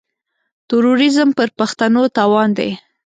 تروريزم پر پښتنو تاوان دی.